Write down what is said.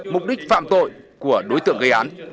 mục đích phạm tội của đối tượng gây án